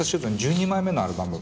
１２枚目のアルバム